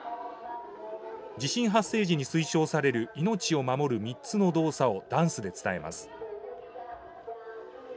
地震発生時に推奨される命を守る３つの動作をダンスで伝えます。